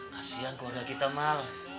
kasian keluarga kita mal